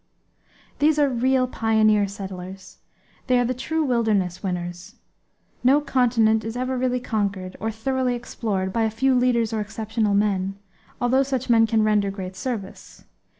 These are real pioneer settlers. They are the true wilderness winners. No continent is ever really conquered, or thoroughly explored, by a few leaders, or exceptional men, although such men can render great service.